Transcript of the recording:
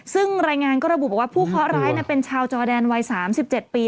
ซึ่งรายงานก็ระบุบอกว่าผู้เคาะร้ายเป็นชาวจอแดนวัย๓๗ปี